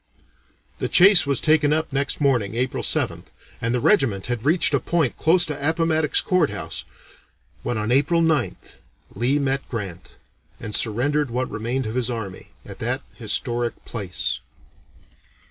The chase was taken up next morning (April 7th), and the regiment had reached a point close to Appomattox Court House, when on April 9th Lee met Grant and surrendered what remained of his army, at that historic place.